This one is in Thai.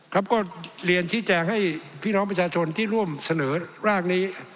ครับก็เรียนชี้แจงให้พี่น้องประชาชนที่ร่วมเสนอร่างนี้